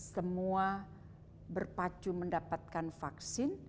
semua berpacu mendapatkan vaksin